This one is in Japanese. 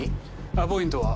アポイントは？